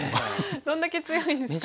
どんだけ強いんですかね。